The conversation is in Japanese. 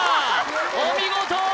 お見事！